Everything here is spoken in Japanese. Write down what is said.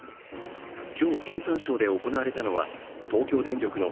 今日、経産省で行われたのは、東京電力の